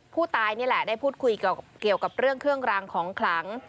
ผู้ตายนี่แหละได้พูดคุยเกี่ยวกับเรื่องเครื่องรางของขลัง